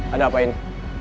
ada apa ini